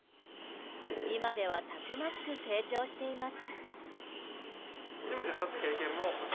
今ではたくましく成長しています。